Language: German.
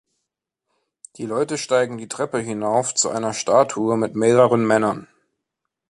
Die Leute steigen die Treppe hinauf zu einer Statue mit mehreren Männern.